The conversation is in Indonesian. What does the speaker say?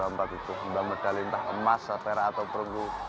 membangun medali entah emas atau perunggu